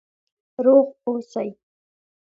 روغ اوسئ؟